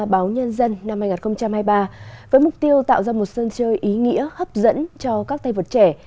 báo nhân dân năm hai nghìn hai mươi ba với mục tiêu tạo ra một sân chơi ý nghĩa hấp dẫn cho các tay vật trẻ